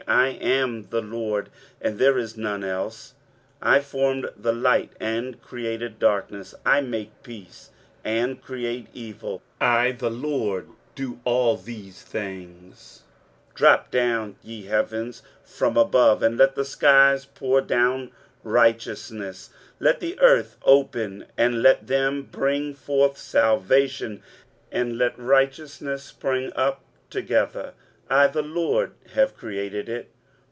I am the LORD, and there is none else. 23:045:007 I form the light, and create darkness: I make peace, and create evil: I the LORD do all these things. 23:045:008 Drop down, ye heavens, from above, and let the skies pour down righteousness: let the earth open, and let them bring forth salvation, and let righteousness spring up together; I the LORD have created it.